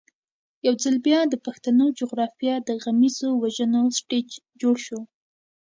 یو ځل بیا د پښتنو جغرافیه د غمیزو او وژنو سټېج جوړ شو.